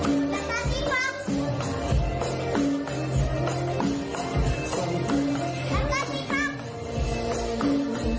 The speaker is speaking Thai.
จำตาดีครับ